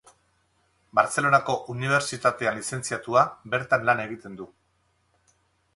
Bartzelonako Unibertsitatean lizentziatua, bertan lan egiten du.